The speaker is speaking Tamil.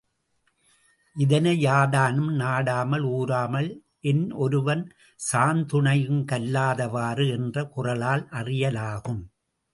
இதனை, யாதானும் நாடாமல் ஊராமல் என்னொருவன் சாந்துணையும் கல்லாத வாறு என்ற குறளால் அறியலாகும்.